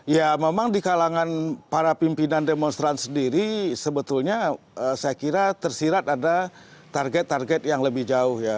ya memang di kalangan para pimpinan demonstran sendiri sebetulnya saya kira tersirat ada target target yang lebih jauh ya